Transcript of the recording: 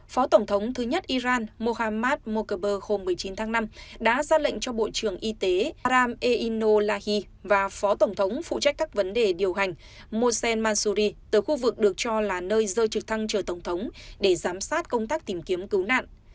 phó tổng thống thứ nhất iran mohammad mockerber hôm một mươi chín tháng năm đã ra lệnh cho bộ trưởng y tế aram eino lahi và phó tổng thống phụ trách các vấn đề điều hành mozsen masuri tới khu vực được cho là nơi rơi trực thăng chờ tổng thống để giám sát công tác tìm kiếm cứu nạn